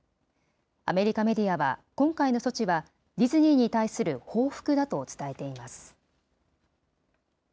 アメリカメディアは今回の措置は、ディズニーに対する報復だと伝えています。